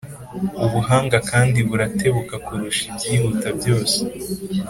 Ubuhanga kandi buratebuka kurusha ibyihuta byose,